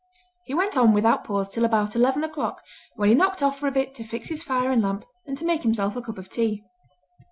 He went on without pause till about eleven o'clock, when he knocked off for a bit to fix his fire and lamp, and to make himself a cup of tea.